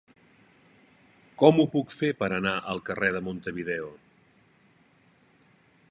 Com ho puc fer per anar al carrer de Montevideo?